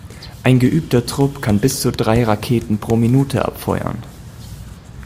Ein geübter Trupp kann bis zu drei Raketen pro Minute abfeuern.